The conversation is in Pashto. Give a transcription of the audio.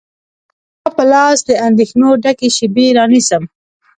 رباب په لاس، د اندېښنو ډکې شیبې رانیسم